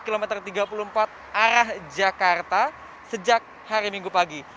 kilometer tiga puluh empat arah jakarta sejak hari minggu pagi